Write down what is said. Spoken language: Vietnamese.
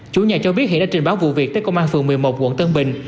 chủ nhà cho biết hiện đã trình báo vụ việc tới công an phường một mươi một quận tân bình